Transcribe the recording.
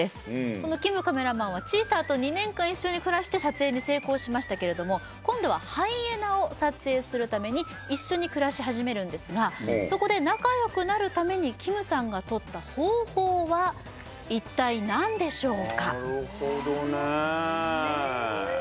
このキムカメラマンはチーターと２年間一緒に暮らして撮影に成功しましたけれども今度はハイエナを撮影するために一緒に暮らし始めるんですがそこで仲良くなるためにキムさんが取った方法は一体何でしょうか？